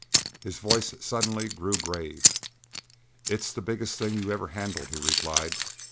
His voice suddenly grew grave. "It's the biggest thing you ever handled," he replied.